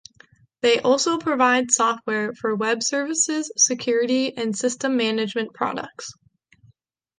They also provide software for web services, security, and systems management products.